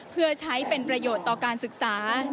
เพื่อใช้เป็นประโยชน์ต่อการศึกษา